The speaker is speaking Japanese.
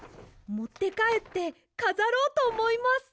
もってかえってかざろうとおもいます。